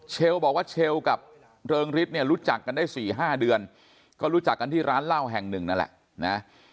บอกว่าเชลกับเริงฤทธิ์เนี่ยรู้จักกันได้๔๕เดือนก็รู้จักกันที่ร้านเหล้าแห่งหนึ่งนั่นแหละนะ